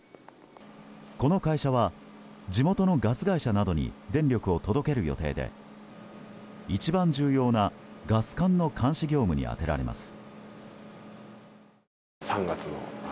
この会社は地元のガス会社などに電力を届ける予定で一番重要なガス管の監視業務に充てられます。